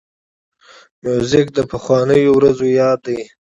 موزیک د پخوانیو ورځو یاد دی.